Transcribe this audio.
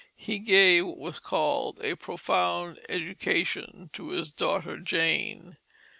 He gave what was called a profound education to his daughter Jane.